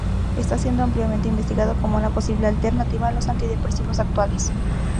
Está siendo ampliamente investigado como una posible alternativa a los antidepresivos actuales.